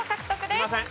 すいません